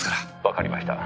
「わかりました。